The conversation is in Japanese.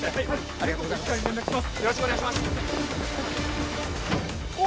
ありがとうございます